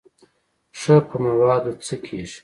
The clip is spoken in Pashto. ښه په موادو څه کېږي.